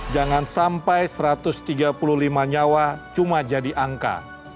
jangan sampai satu ratus tiga puluh lima nyawa cuma jadi angka